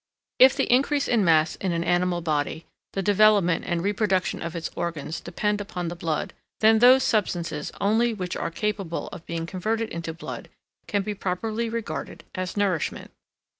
If the increase in mass in an animal body, the development and reproduction of its organs depend upon the blood, then those substances only which are capable of being converted into blood can be properly regarded as nourishment.